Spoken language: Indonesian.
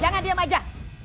jangan diam aja